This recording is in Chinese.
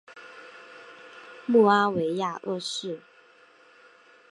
穆阿维亚二世。